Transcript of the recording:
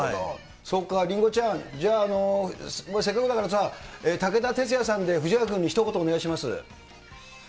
そうか、りんごちゃん、じゃあ、せっかくだからさ、武田鉄矢さんで藤ヶ谷君にひと言お願いします。